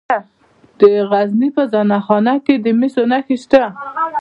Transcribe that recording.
د غزني په زنه خان کې د مسو نښې شته.